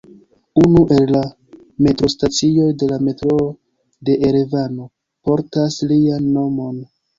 Unu el la metrostacioj de la metroo de Erevano portas lian nomon.